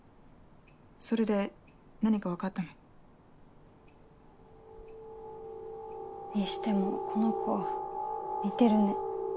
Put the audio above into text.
それで何か分かったの？にしてもこの子似てるね。